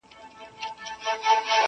د اوبو زور یې په ژوند نه وو لیدلی،